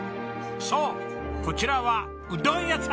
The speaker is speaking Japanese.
そうこちらはうどん屋さん！